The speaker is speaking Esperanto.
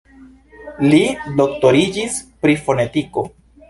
Li doktoriĝis pri fonetiko.